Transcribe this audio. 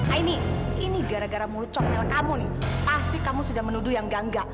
ini ini gara gara mulut comel kamu nih pasti kamu sudah menuduh yang gangga